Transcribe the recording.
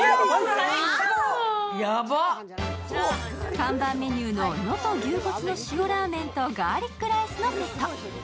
看板メニューの能登牛骨の塩ラーメンとガーリックライスのセット。